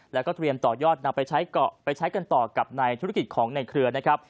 แล้วก็เตรียมต่อยอดนำไปใช้เกาะไปใช้กันต่อกับในธุรกิจของในเครือนะครับ